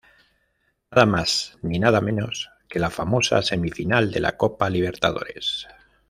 Nada más ni nada menos que la famosa Semifinal de la Copa Libertadores.